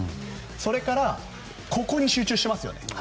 それからここに集中していますよね。